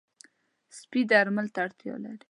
سپي درمل ته اړتیا لري.